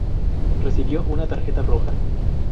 Recibió una tarjeta roja.